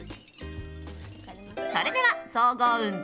それでは総合運